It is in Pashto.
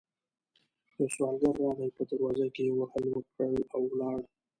يو سوالګر راغی، په دروازه کې يې هل وکړ او ولاړ.